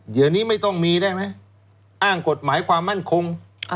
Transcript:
เดี๋ยวนี้ไม่ต้องมีได้ไหมอ้างกฎหมายความมั่นคง